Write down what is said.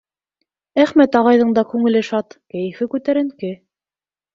Әхмәт ағайҙың да күңеле шат, кәйефе күтәренке.